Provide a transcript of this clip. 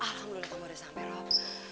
alhamdulillah kamu udah sampe rob